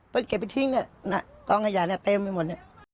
เพิ่งเก็บไปทิ้งสองขยะเต็มไปหมด